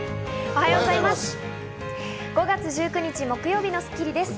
おはようございます。